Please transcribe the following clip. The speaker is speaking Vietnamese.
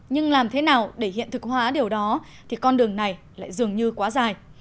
nhưng làm thế nào để hiện thực hóa điều đó thì con đường này lại dường như quá dài